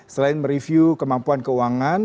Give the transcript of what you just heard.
selain mereview kemampuan keuangan